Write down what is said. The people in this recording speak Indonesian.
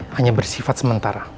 hanya bersifat sementara